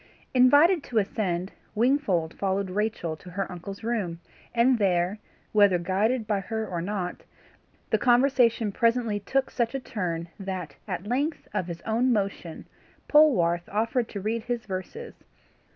Invited to ascend, Wingfold followed Rachel to her uncle's room, and there, whether guided by her or not, the conversation presently took such a turn that at length, of his own motion, Polwarth offered to read his verses.